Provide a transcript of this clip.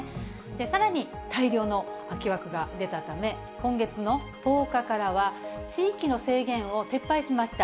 さらに、大量の空き枠が出たため、今月の１０日からは地域の制限を撤廃しました。